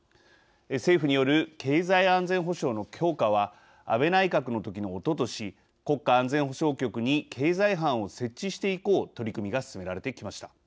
政府による経済安全保障の強化は安倍内閣のときのおととし国家安全保障局に経済班を設置して以降取り組みが進められてきました。